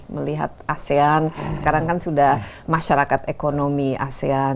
melihat asean sekarang kan sudah masyarakat ekonomi asean